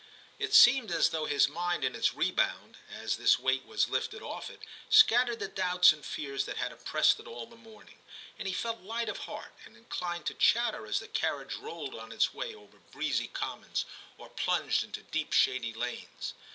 It seemed as though his mind in its rebound, as this weight was lifted off it, scattered the doubts and fears that had oppressed it all the morning, and he felt light of heart, and inclined to chatter as the carriage rolled on its way over breezy IX TIM 197 commons, or plunged into deep shady lanes.